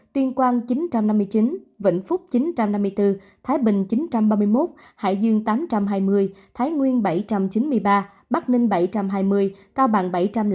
tuyên quang chín trăm năm mươi chín vĩnh phúc chín trăm năm mươi bốn thái bình chín trăm ba mươi một hải dương tám trăm hai mươi thái nguyên bảy trăm chín mươi ba bắc ninh bảy trăm hai mươi cao bằng bảy trăm linh bốn